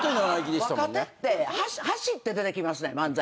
若手って走って出てきますねん漫才。